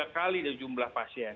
tiga kali jumlah pasien